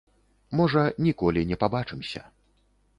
Можа, ніколі не пабачымся.